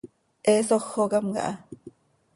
He sójocam caha.